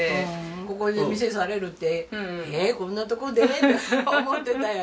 ここで店されるって「えっこんなとこで？」って思ってたんやけど。